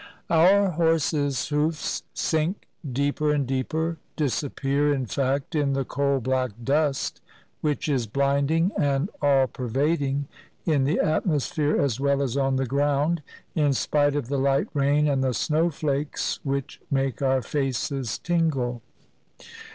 Our horses' hoofs sink deeper and deeper, disappear, in fact, in the coal black dust, which is blinding and all pervading, in the atmosphere as well as on the ground, in spite of the light rain and the snowflakes which make our faces tingle.